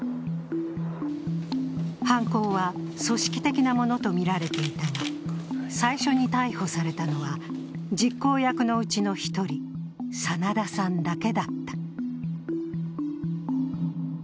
犯行は組織的なものとみられていたが、最初に逮捕されたのは実行役のうちの１人、真田さんだけだった。